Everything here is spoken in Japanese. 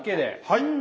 はい。